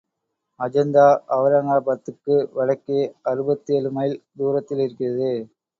அஜந்தா அவுரங்காபாத்துக்கு வடக்கே அறுபத்தேழு மைல் தூரத்தில் இருக்கிறது.